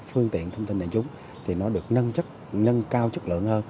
mỗi năm diễn ra một lần